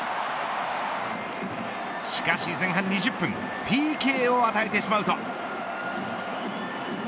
しかし前半２０分ＰＫを与えてしまうと。